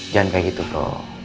jangan kayak gitu bro